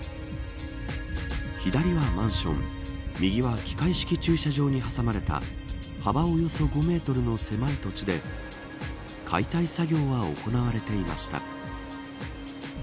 左はマンション右は機械式駐車場に挟まれた幅およそ５メートルの狭い土地で解体作業は行われていました。